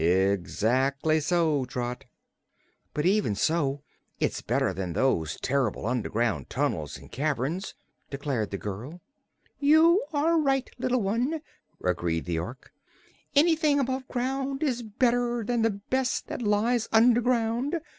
"Ezzackly so, Trot." "But, 'even so, it's better than those terr'ble underground tunnels and caverns," declared the girl. "You are right, little one," agreed the Ork. "Anything above ground is better than the best that lies under ground.